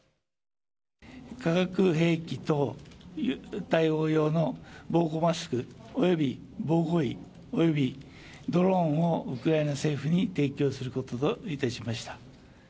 化学兵器等対応用の防護マスクおよび防護衣およびドローンをウクライナ政府に提供することといたしました。